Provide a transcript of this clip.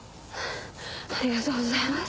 ありがとうございます。